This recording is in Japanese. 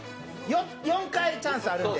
４回チャンスあるんで。